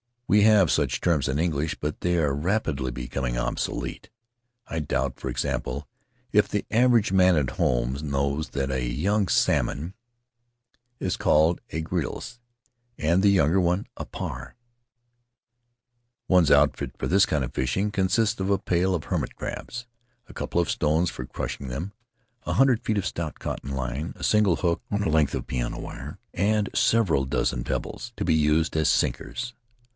We have such terms in English, but they are rapidly becoming obsolete; I doubt, for example, if the average man at home knows that a young salmon is called a grilse, and a still younger one, a parr. Faery Lands of the South Seas One's outfit for this kind of fishing consists of a pail of hermit crabs, a couple of stones for crushing them, a hundred feet of stout cotton line, a single hook on a length of piano wire, and several dozen pebbles, to be used as sinkers.